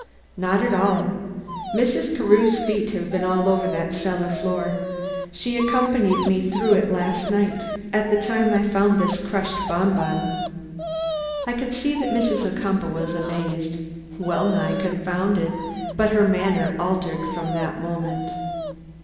"Not at all. Mrs. Carew's feet have been all over that cellar floor. She accompanied me through it last night, at the time I found this crushed bonbon." I could see that Mrs. Ocumpaugh was amazed, well nigh confounded, but her manner altered from that moment.